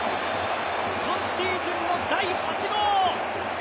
今シーズン第８号。